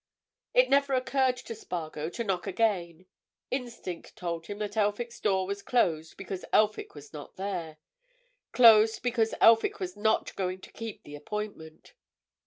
It never occurred to Spargo to knock again: instinct told him that Elphick's door was closed because Elphick was not there; closed because Elphick was not going to keep the appointment.